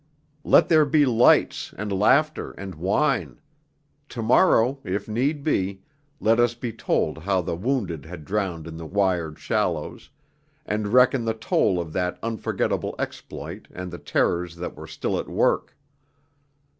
Let there be lights and laughter and wine; to morrow, if need be, let us be told how the wounded had drowned in the wired shallows, and reckon the toll of that unforgettable exploit and the terrors that were still at work.